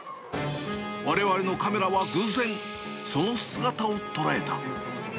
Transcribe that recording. われわれのカメラは偶然、その姿を捉えた。